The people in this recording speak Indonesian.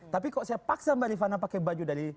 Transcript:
tapi kok saya paksa mbak rifana pakai baju dari